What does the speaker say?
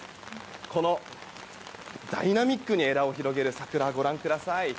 このダイナミックに枝を広げる桜ご覧ください。